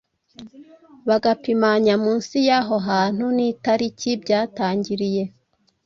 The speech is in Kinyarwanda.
bagapimanya munsi y’aho ahantu n’itariki byatangiriye,